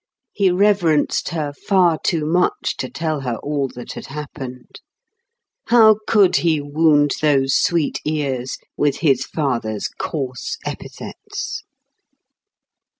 He reverenced her far too much to tell her all that had happened. How could he wound those sweet ears with his father's coarse epithets?